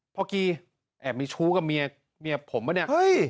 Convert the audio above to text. พ่อกีแอบมีชู้กับเมียผมว่ะเนี่ย